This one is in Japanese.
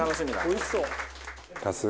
おいしそう。